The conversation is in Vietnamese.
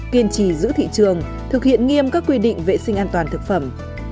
kiên trì giữ thị trường thực hiện nghiêm các quy định vệ sinh an toàn thực phẩm